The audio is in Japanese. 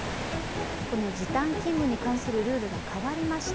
時短勤務に関するルールが変わりました。